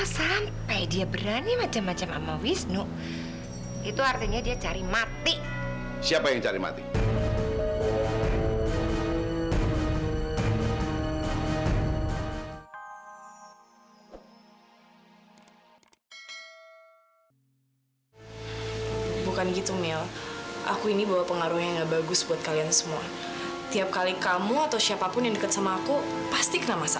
sampai jumpa di video selanjutnya